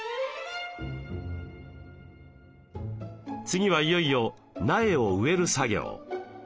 次はいよいよ苗を植える作業。